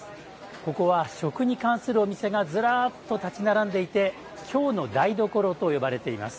ここは食に関するお店がずらっと立ち並んでいて「京の台所」と呼ばれています。